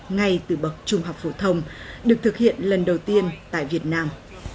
ngay từ bậc trung học phổ thông được thực hiện lần đầu tiên tại việt nam